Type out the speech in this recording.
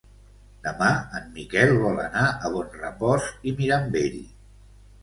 Demà en Miquel vol anar a Bonrepòs i Mirambell.